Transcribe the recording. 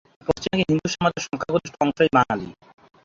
পশ্চিমবঙ্গের হিন্দু সমাজের সংখ্যাগরিষ্ঠ অংশই বাঙালি।